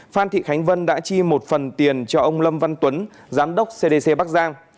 phan thị khánh vân đã chi một phần tiền cho ông lâm văn tuấn giám đốc cdc bắc giang